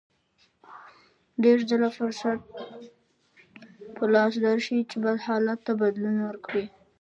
ډېر ځله فرصت په لاس درشي چې بد حالت ته بدلون ورکړئ.